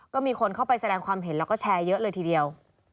ก็มีคนเข้าไปแสดงความเห็นแล้วก็แชร์เยอะเลยทีเดียว